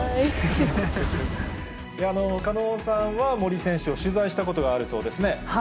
狩野さんは森選手を取材したことがあるそうですね。